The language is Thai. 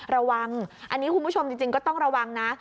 ระวังอันนี้คุณผู้ชมจริงก็ต้องระวังนะ